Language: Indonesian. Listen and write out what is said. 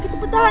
pak pare teh